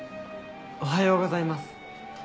おはようございます。